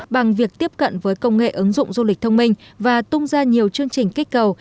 bằng việc tiếp cận với công nghệ ứng dụng du lịch thông minh và tung ra nhiều chương trình kích cầu